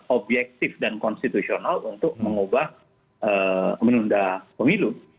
objektif dan konstitusional untuk mengubah menunda pemilu